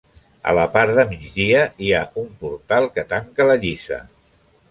A la part de migdia hi ha un portal que tanca la lliça.